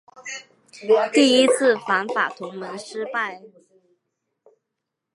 第一次反法同盟失败。